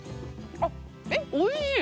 あっえっおいしい！